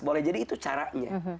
boleh jadi itu caranya